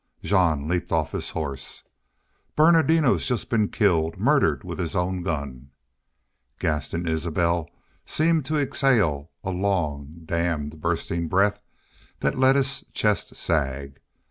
Jean leaped off his horse. "Bernardino has just been killed murdered with his own gun." Gaston Isbel seemed to exhale a long dammed, bursting breath that let his chest sag.